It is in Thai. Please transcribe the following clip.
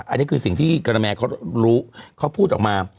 อันนี้คือสิ่งที่กระแมเขารู้เขาพูดออกมา